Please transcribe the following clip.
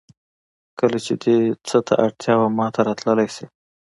کله چې دې څه ته اړتیا وه ماته راتللی شې